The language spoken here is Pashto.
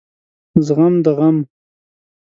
زغم د غم